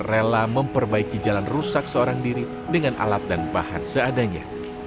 rela memperbaiki jalan rusak seorang diri dengan alat dan bahan seadanya